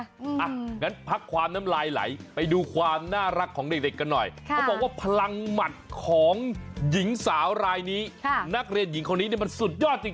อย่างนั้นพักความน้ำลายไหลไปดูความน่ารักของเด็กกันหน่อยเขาบอกว่าพลังหมัดของหญิงสาวรายนี้นักเรียนหญิงคนนี้มันสุดยอดจริง